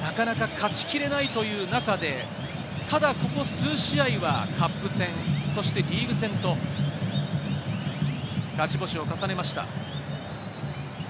なかなか勝ち切れないという中で、ただ、ここ数試合はカップ戦、そしてリーグ戦と、勝ち星を重ねました。